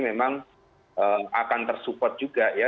memang akan tersupport juga ya